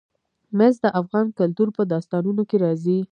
مس د افغان کلتور په داستانونو کې راځي.